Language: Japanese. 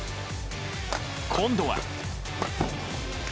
今度は。